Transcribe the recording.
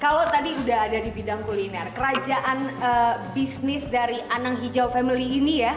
kalau tadi udah ada di bidang kuliner kerajaan bisnis dari anang hijau family ini ya